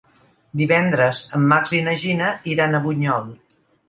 Divendres en Max i na Gina iran a Bunyol.